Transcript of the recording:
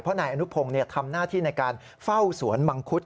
นายอนุพงศ์ทำหน้าที่ในการเฝ้าสวนมังคุด